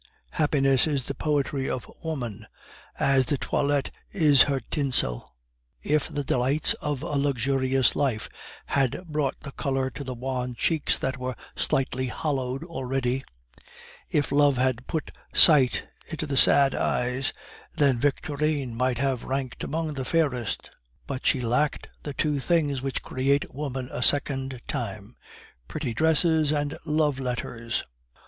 Happiness is the poetry of woman, as the toilette is her tinsel. If the delightful excitement of a ball had made the pale face glow with color; if the delights of a luxurious life had brought the color to the wan cheeks that were slightly hollowed already; if love had put light into the sad eyes, then Victorine might have ranked among the fairest; but she lacked the two things which create woman a second time pretty dresses and love letters.